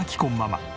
ママ